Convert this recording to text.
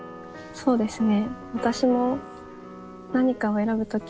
そうですね。